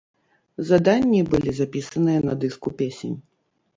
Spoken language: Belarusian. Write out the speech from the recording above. Заданні былі запісаныя на дыску песень.